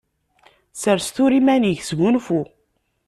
Sers tura iman-ik, sgunfu.